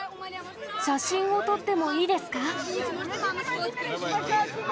写真を撮ってもいいですか？